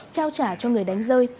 trao trả cho người đánh rơi